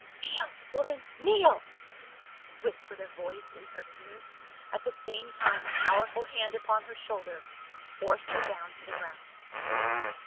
"jy^NEEL, woman, kneel!" whispered a voice in J ^ her ear, at the same time a powerful hand upon her shoulder forced her down to the ground.